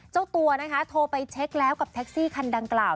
เจ้าตัวนะคะโทรไปเช็คแล้วกับแท็กซี่คันดังกล่าว